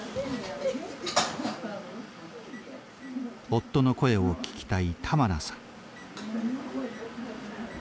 夫の声を聞きたいタマラさん。